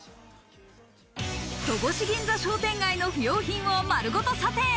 戸越銀座商店街の不用品をまるごと査定。